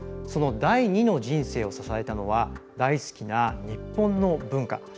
その第２の人生を支えたのは大好きな日本の文化。